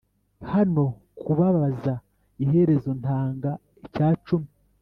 hano kubabaza iherezo ntanga icya cumi;